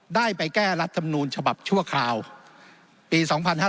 ได้ไปแก้รัฐธรรมนูญฉบับชั่วคราวปี๒๕๕๙